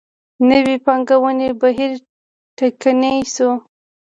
نوې پانګونې بهیر ټکنی شو.